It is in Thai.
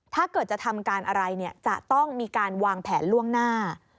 ถ้าเกิดจะทำการอะไรเนี่ยจะต้องมีการวางแผนล่วงหน้า